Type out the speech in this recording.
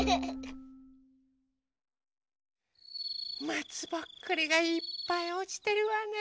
まつぼっくりがいっぱいおちてるわね。